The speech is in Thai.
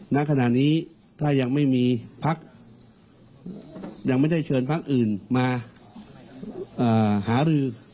ณขณะนี้ถ้ายังไม่มีพักยังไม่ได้เชิญพักอื่นมาหารือ